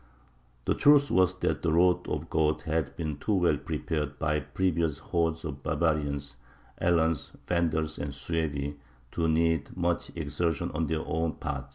The truth was that the road of the Goths had been too well prepared by previous hordes of barbarians Alans, Vandals, and Suevi to need much exertion on their own part.